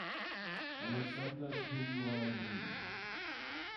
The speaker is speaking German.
Alexander Tuma jun.